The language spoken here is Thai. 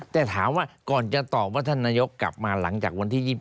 แต่ถามว่าก่อนจะตอบว่าท่านนายกกลับมาหลังจากวันที่๒๒